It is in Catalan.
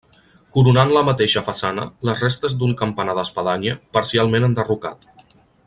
Coronant la mateixa façana, les restes d'un campanar d'espadanya, parcialment enderrocat.